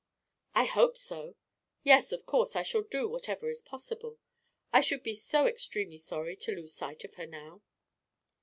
"I hope so; yes, of course, I shall do whatever is possible: I should be so extremely sorry to lose sight of her now."